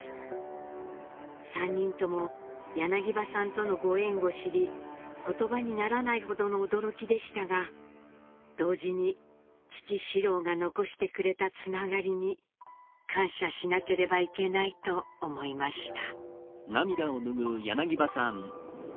３人とも柳葉さんとのご縁を知り言葉にならないほどの驚きでしたが同時に父四郎が残してくれたつながりに感謝しなければいけないと思いました」。